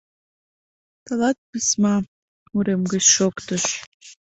— Тылат письма, — урем гыч шоктыш.